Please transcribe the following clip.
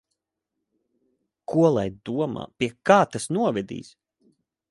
Ko lai domā? Pie kā tas novedīs?